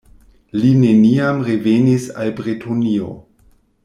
Li neniam revenis al Bretonio.